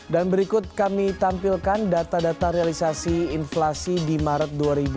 dan berikut kami tampilkan data data realisasi inflasi di maret dua ribu delapan belas